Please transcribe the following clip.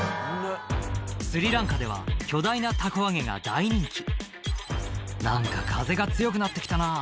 スリランカでは巨大な凧揚げが大人気「何か風が強くなって来たな」